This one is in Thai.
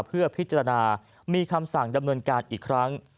เพื่อพิจารณามีคำสั่งดำเนินการอีกครั้ง